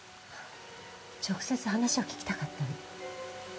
直接話を聞きたかったの。